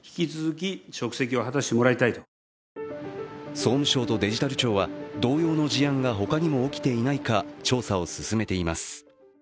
総務省とデジタル庁は、同様の事案が他にも起きていないか調査を進めています。